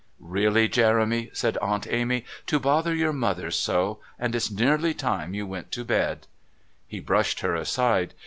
"Really, Jeremy," said Aunt Amy, "to bother your mother so! And it's nearly time you went to bed." He brushed her aside.